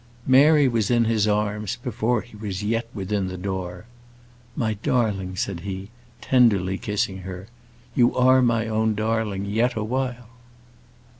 Mary was in his arms before he was yet within the door. "My darling," said he, tenderly kissing her. "You are my own darling yet awhile."